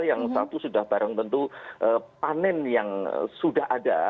yang satu sudah barang tentu panen yang sudah ada